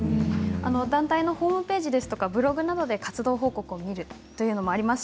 団体のホームページやブログで活動報告を見るということもできます。